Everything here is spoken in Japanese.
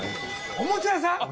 おもちゃ屋さん？